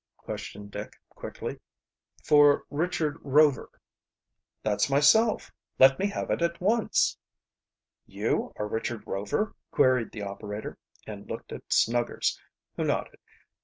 questioned Dick quickly. "For Richard Rover." "That's myself. Let me have it at once." "You are Richard Rover?" queried the operator, and looked at Snuggers, who nodded.